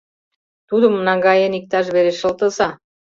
Тудым, наҥгаен, иктаж вере шылтыза.